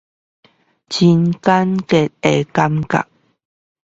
很簡潔的感覺